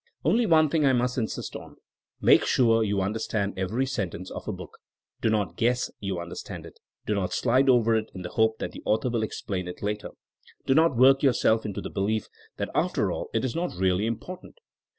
Only one thing I must insist on: make sure you understand every sentence of a book. Do not guess" you understand it. Do not slide over it in the hope that the author will explain it later. Do not work yourself into the belief that after all it is not really important.